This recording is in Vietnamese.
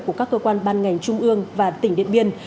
của các cơ quan ban ngành trung ương và tỉnh điện biên